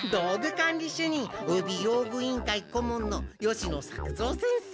かん理しゅにんおよび用具委員会こもんの吉野作造先生。